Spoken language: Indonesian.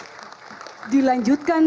kita hitung mundur